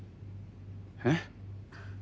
えっ？